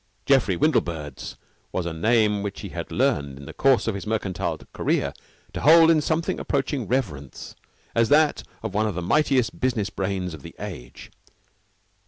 Geoffrey Windlebird's was a name which he had learned, in the course of his mercantile career, to hold in something approaching reverence as that of one of the mightiest business brains of the age.